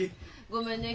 ごめんね。